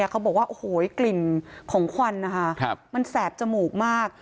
เขาบอกว่าโอเคกลิ่นของขวันมันแสบจมูกมาก